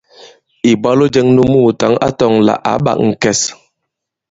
Ìbwalo jɛ̄ŋ nu muùtaŋ a tɔ̄ŋ lā ǎ ɓā ŋ̀kɛs.